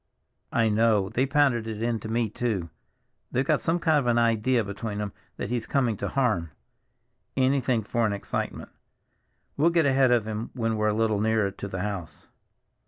"I know. They pounded it into me, too. They've got some kind of an idea between 'em that he's coming to harm. Anything for an excitement. We'll get ahead of him when we're a little nearer to the house."